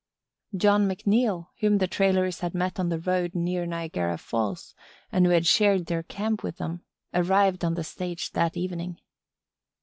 John McNeil, whom the Traylors had met on the road near Niagara Falls and who had shared their camp with them, arrived on the stage that evening.